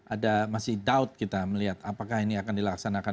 ada masih dout kita melihat apakah ini akan dilaksanakan